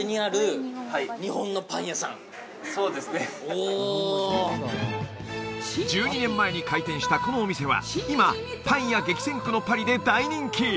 おお１２年前に開店したこのお店は今パン屋激戦区のパリで大人気！